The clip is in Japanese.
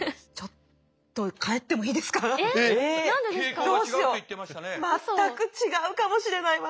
ちょっとどうしよう全く違うかもしれない私。